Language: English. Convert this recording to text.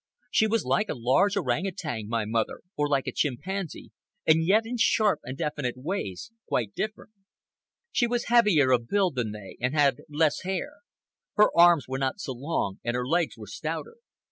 She was like a large orangutan, my mother, or like a chimpanzee, and yet, in sharp and definite ways, quite different. She was heavier of build than they, and had less hair. Her arms were not so long, and her legs were stouter.